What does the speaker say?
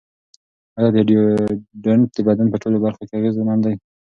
ایا ډیوډرنټ د بدن په ټولو برخو کې اغېزمن دی؟